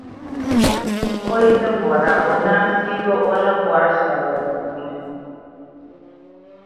O yi di bora O naan piigi O ni bɔri shɛli di puuni.